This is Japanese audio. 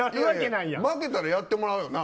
負けたらやってもらうよな。